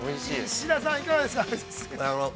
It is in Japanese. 石田さん、いかがですか。